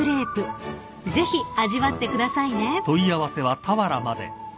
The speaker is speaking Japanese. ［ぜひ味わってくださいね］